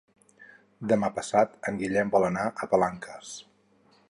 Demà passat en Guillem vol anar a Palanques.